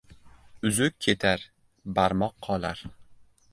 • Uzuk ketar, barmoq qolar.